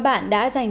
bà và bạn